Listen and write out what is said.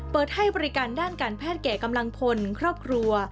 เปิดให้บริการด้านการแพทย์แก่กำลังพลครอบครัว